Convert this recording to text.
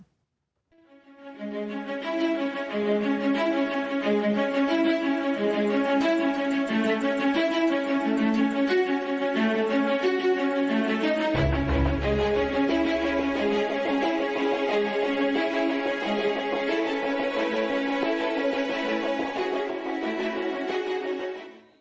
กุ้ง